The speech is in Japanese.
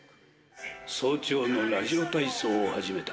早朝のラジオ体操を始めた。